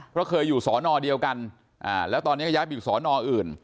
เพราะเคยอยู่สอนอเดียวกันแล้วตอนนี้ก็ย้ายไปอยู่สอนออื่น